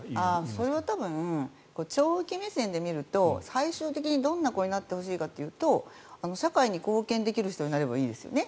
それは多分長期目線で見ると最終的にどんな子になってほしいかというと社会に貢献できる人になればいいですよね。